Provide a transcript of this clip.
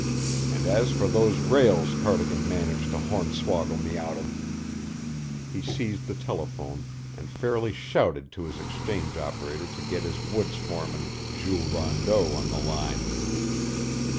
And as for those rails Cardigan managed to hornswoggle me out of " He seized the telephone and fairly shouted to his exchange operator to get his woods foreman Jules Rondeau on the line.